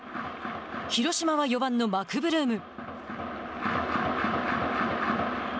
広島は４番のマクブルーム。